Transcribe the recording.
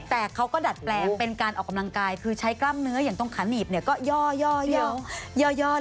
แต่เขาก็ดัดแปลงเป็นการออกกำลังกายคือใช้กล้ามเนื้ออย่างตรงขาหนีบเนี่ยก็ย่อ